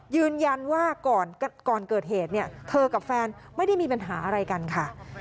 ยืนยันว่าก่อนเกิดเหตุเนี่ยเธอกับแฟนไม่ได้มีปัญหาอะไรกันค่ะ